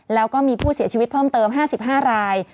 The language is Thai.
แล้วก็มีผู้เสียชีวิตเพิ่มเติม๕๕ราย